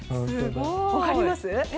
分かります？